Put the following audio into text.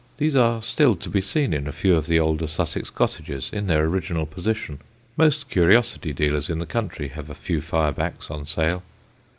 These are still to be seen in a few of the older Sussex cottages in their original position. Most curiosity dealers in the country have a few fire backs on sale.